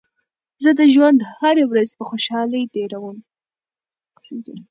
زه د ژوند هره ورځ په خوشحالۍ تېروم.